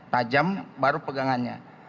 tajam baru pegangannya